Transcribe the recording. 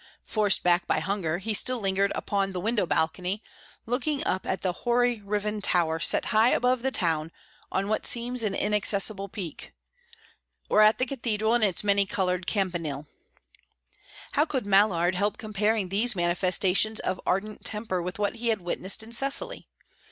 Forced back by hunger, he still lingered upon the window balcony, looking up at the hoary riven tower set high above the town on what seems an inaccessible peak, or at the cathedral and its many coloured campanile. How could Mallard help comparing these manifestations of ardent temper with what he had witnessed in Cecily?